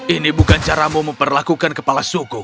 ini bukan caramu memperlakukan kepala suku